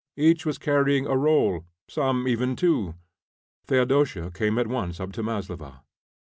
Each was carrying a roll, some even two. Theodosia came at once up to Maslova.